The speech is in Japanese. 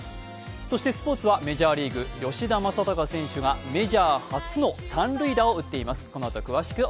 そしてスポーツは、メジャーリーグ・吉田正尚選手がメジャー初の三塁打を打っています。